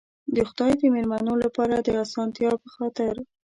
د خدای د مېلمنو لپاره د آسانتیا په خاطر.